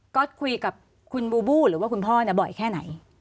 ก็คุยกับคุณบูบูหรือว่าคุณพ่อเนี่ยบ่อยแค่ไหน